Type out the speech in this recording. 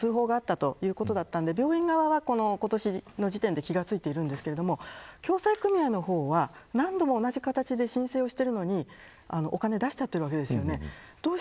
今年２月に通報があったということだったので病院側は今年の時点で気が付いているんですけど共済組合の方は、何度も同じ形で申請をしてるのにお金を出しているわけですよね。